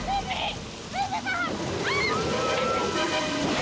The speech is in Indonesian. anak betega di trans